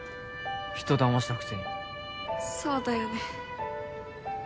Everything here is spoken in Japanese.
人だましたくせにそうだよね